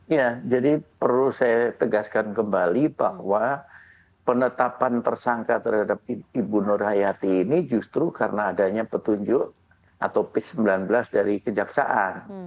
ya jadi perlu saya tegaskan kembali bahwa penetapan tersangka terhadap ibu nur hayati ini justru karena adanya petunjuk atau pit sembilan belas dari kejaksaan